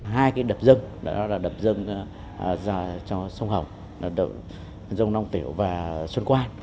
hai cái đập dân đó là đập dân cho sông hồng dông long tiểu và xuân quan